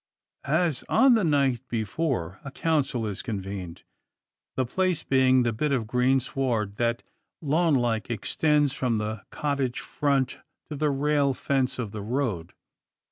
As on the night before, a council is convened, the place being the bit of green sward, that, lawn like, extends from the cottage front to the rail fence of the road.